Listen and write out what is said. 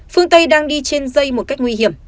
phương tây đang đi trên dây một cách nguy hiểm